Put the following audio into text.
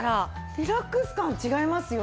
リラックス感違いますよね。